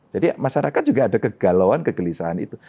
jadi masyarakat juga ada kegalauan kegelisahan itu